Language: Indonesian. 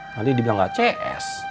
nanti dibilang gak cs